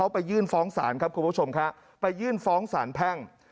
ไปยื่นฟ้องศาลครับคุณผู้ชมครับไปยื่นฟ้องสารแพ่ง